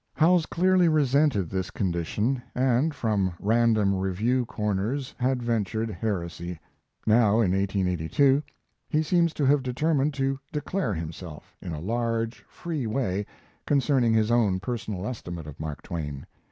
Howells clearly resented this condition, and from random review corners had ventured heresy. Now in 1882 he seems to have determined to declare himself, in a large, free way, concerning his own personal estimate of Mark Twain.